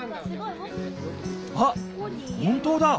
あっ本当だ！